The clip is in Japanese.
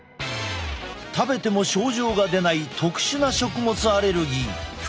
食べても症状が出ない特殊な食物アレルギー。